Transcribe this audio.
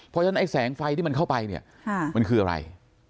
เพราะฉะนั้นไอ้แสงไฟที่มันเข้าไปเนี่ยมันคืออะไร